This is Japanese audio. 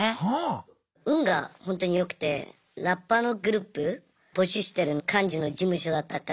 運がほんとに良くてラッパーのグループ募集してる感じの事務所だったから。